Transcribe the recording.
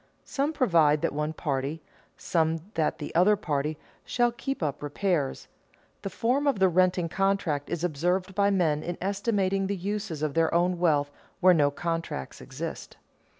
Some provide that one party, some that the other party, shall keep up repairs. The form of the renting contract is observed by men in estimating the uses of their own wealth where no contract exists.